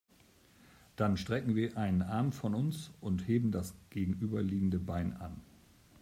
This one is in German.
Dann strecken wir einen Arm von uns und heben das gegenüberliegende Bein an.